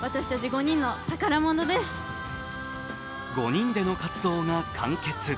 ５人での活動が完結。